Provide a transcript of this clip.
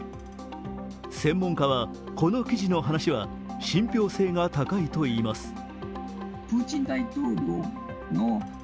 専門家はこの記事の話は信ぴょう性が高いといいます。